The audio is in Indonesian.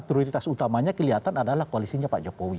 prioritas utamanya kelihatan adalah koalisinya pak jokowi